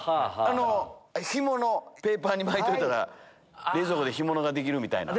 ペーパーに巻いといたら冷蔵庫で干物ができるみたいな。